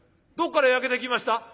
どっから焼けてきました？」。